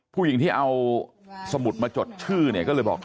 ผู้หญิงที่เอาสมุดมาจดชื่อเนี่ยก็เลยบอก